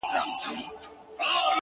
چي د صبر شراب وڅيښې ويده سه ـ